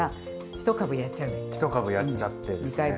１株やっちゃってですね。